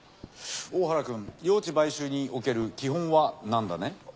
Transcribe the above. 大原君用地買収における基本は何だね？